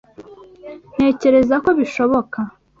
Ntekereza ko bishoboka